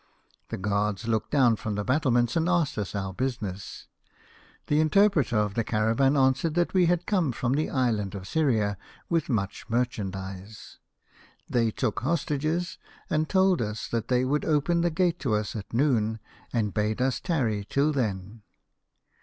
The guards looked down from the battlements and asked us our business. The interpreter of the caravan answered that we had come from the island of Syria with much merchandise. They took hostages, and told us that they would open the gate to us at noon, and bade us tarry till then.